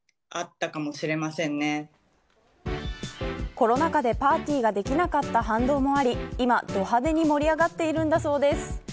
コロナ禍でパーティーができなかった反動もあり今、ど派手に盛り上がっているんだそうです。